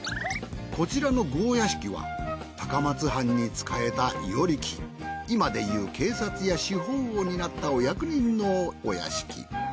こちらの郷屋敷は高松藩に仕えた与力今で言う警察や司法を担ったお役人のお屋敷。